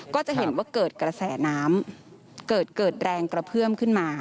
ก็จะเห็นว่าเกิดกระแสน้ำเกิดเกิดแรงกระเพื่อมขึ้นมา